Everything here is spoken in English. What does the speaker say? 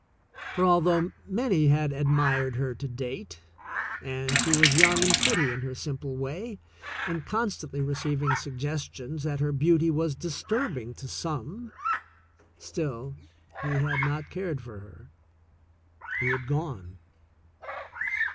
For, although many had admired her to date, and she was young and pretty in her simple way and constantly receiving sugges tions that her beauty was disturbing to some, still, he had not cared for her — he had gone.